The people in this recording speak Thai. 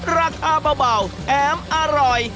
ราคาเบาแถมอร่อย